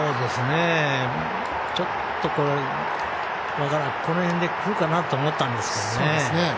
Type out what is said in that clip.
ちょっとこの辺でくるかなと思ったんですけどね。